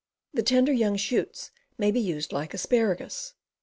The tender young shoots may be used like asparagus.